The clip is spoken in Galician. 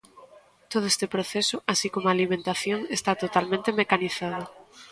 Todo este proceso, así como a alimentación, está totalmente mecanizado.